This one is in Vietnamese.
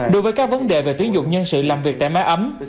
đối với các vấn đề về tuyến dụng nhân sự làm việc tại máy ấm